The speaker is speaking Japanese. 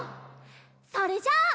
それじゃあ。